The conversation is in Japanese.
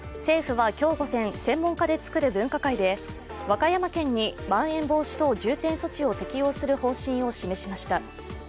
政府は今日午前、専門家で作る分科会で和歌山県にまん延防止等重点措置を適用する方針を示しました。